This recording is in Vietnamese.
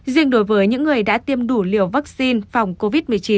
riêng đối với những người đã tiêm đủ liều vaccine phòng covid một mươi chín